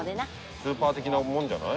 スーパー的なものじゃない？